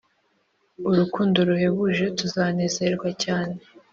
Urukundo ruhebuje, tuzanezerwa cyane.